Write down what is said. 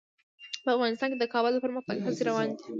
په افغانستان کې د کابل د پرمختګ هڅې روانې دي.